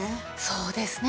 そうですね。